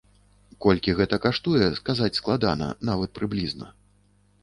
Колькі гэта каштуе, сказаць складана, нават прыблізна.